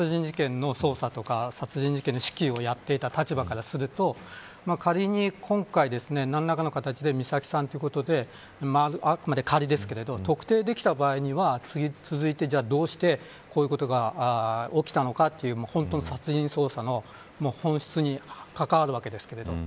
私も殺人事件の捜査とか殺人事件の指揮をやっていた立場からすると仮に今回何らかの形で美咲さんということであくまで仮ですが特定できた場合には続いて、どうしてこういうことが起きたのかという本当の殺人捜査の本質に関わるわけです。